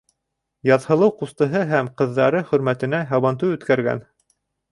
Яҙһылыу ҡустыһы һәм ҡыҙҙары хөрмәтенә һабантуй үткәргән.